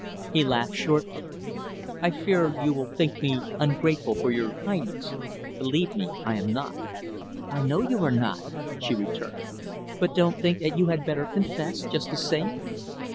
He laughed shortly "I fear you will think me ungrateful for your kindness. Believe me, I am not." "I know you are not," she returned. "But don't think that you had better confess, just the same?"